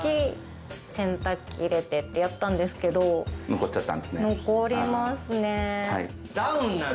残っちゃったんですね。